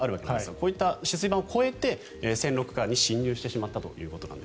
こういった止水板を越えて線路区間に侵入してしまったと。